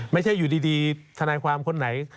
ไม่ใช่อยู่ดีทนายความคนไหน